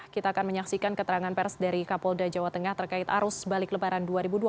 kita akan menyaksikan keterangan pers dari kapolda jawa tengah terkait arus balik lebaran dua ribu dua puluh